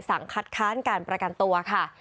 สั่งคัดค้านการประกันตัวค่ะ